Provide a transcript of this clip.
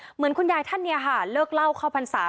เหมือนคุณยายท่านเนี่ยค่ะเลิกเล่าเข้าพรรษา